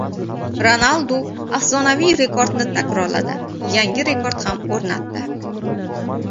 Ronaldu afsonaviy rekordni takrorladi. Yangi rekord ham o‘rnatdi